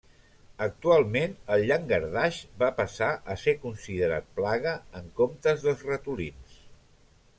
Actualment el llangardaix va passar a ser considerat plaga en comptes dels ratolins.